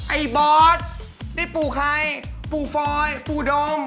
ไอ้บอสได้ปูไข่ปูฟอยด์ปูดม